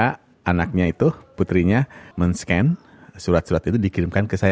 karena anaknya itu putrinya men scan surat surat itu dikirimkan ke saya